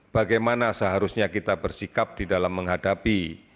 bagaimana seharusnya kita bersikap di dalam menghadapi